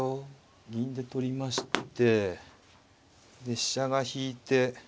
銀で取りましてで飛車が引いて。